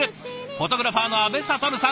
フォトグラファーの阿部了さん